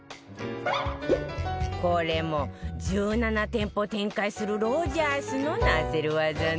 これも１７店舗を展開するロヂャースのなせる技ね